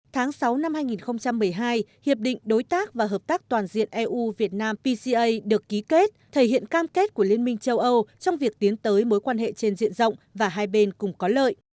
tháng sáu năm hai nghìn một mươi hai hiệp định đối tác và hợp tác toàn diện eu việt nam pca được ký kết thể hiện cam kết của liên minh châu âu trong việc tiến tới mối quan hệ trên diện rộng và hai bên cùng có lợi